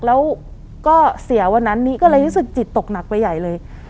แล้วก็เสียวันนั้นนี้ก็เลยรู้สึกจิตตกหนักไปใหญ่เลย